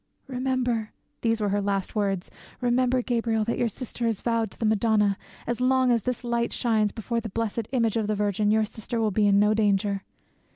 'Remember,' these were her last words, 'remember, Gabriel, that your sister is vowed to the Madonna. As long as this light shines before the blessed image of the Virgin, your sister will be in no danger.